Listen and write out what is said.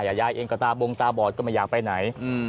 ยายเองก็ตาบงตาบอดก็ไม่อยากไปไหน